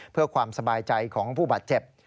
เพื่อความสบายใจของผู้บาดเจ็บ